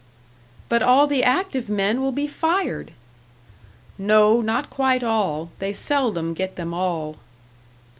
"But all the active men will be fired!" "No, not quite all they seldom get them all."